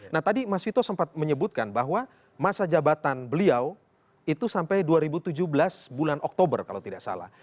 nah tadi mas vito sempat menyebutkan bahwa masa jabatan beliau itu sampai dua ribu tujuh belas bulan oktober kalau tidak salah